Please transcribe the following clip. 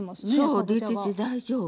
そう出てて大丈夫。